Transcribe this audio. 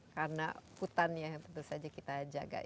karena hutannya yang tentu saja kita jaga